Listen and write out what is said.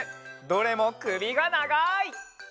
どれもくびがながい！